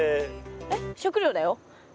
えっ食料だよ。